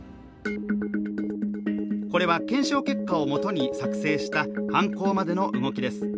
これは検証結果をもとに作成した犯行までの動きです。